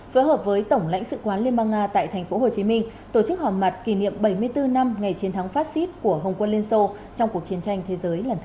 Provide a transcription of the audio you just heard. phở hợp với tổng lãnh sự quán liên bang nga tại tp hcm tổ chức hòa mặt kỷ niệm bảy mươi bốn năm ngày chiến thắng phát xít của hồng quân liên xô trong cuộc chiến tranh thế giới lần thứ hai